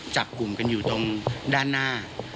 จับกลุ่มกันอยู่ตรงด้านหน้า